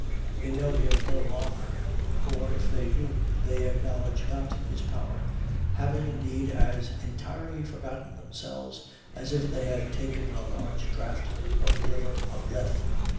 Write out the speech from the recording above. They know him no longer; or, if they do, they acknowledge not his power, having indeed as entirely forgotten themselves as if they had taken a large draught of the river of Lethe.